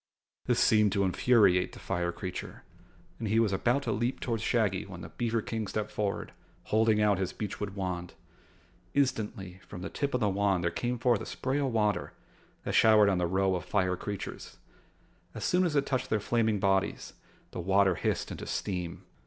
This seemed to infuriate the fire creature and he was about to leap toward Shaggy when the beaver King stepped forward, holding out his beechwood wand. Instantly, from the tip of the wand there came forth a spray of water that showered on the row of fire creatures. As soon as it touched their flaming bodies, the water hissed into steam.